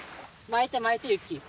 巻いて巻いてゆっきー。